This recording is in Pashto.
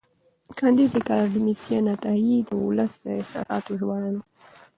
کانديد اکاډميسن عطایي د ولس د احساساتو ژباړن و.